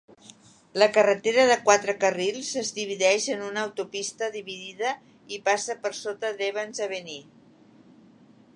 La carretera de quatre carrils es divideix en una autopista dividida i passa per sota d'Evans Avenue.